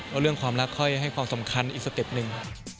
แล้วเรื่องความรักค่อยให้ความสำคัญอีกสเต็ปหนึ่ง